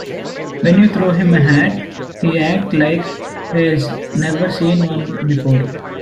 When you throw him a hat, he acts like he's never seen one before.